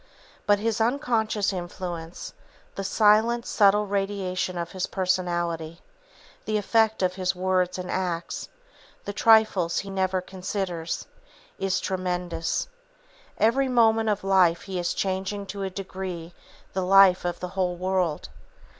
But his unconscious influence, the silent, subtle radiation of his personality, the effect of his words and acts, the trifles he never considers, is tremendous. Every moment of life he is changing to a degree the life of the whole world.